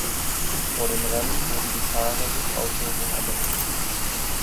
Vor dem Rennen wurden die Paare durch Auslosung ermittelt.